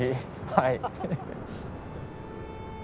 はい。